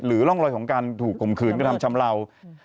ร่องรอยของการถูกข่มขืนกระทำชำเลา